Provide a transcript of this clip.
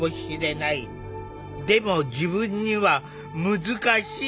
でも自分には難しい。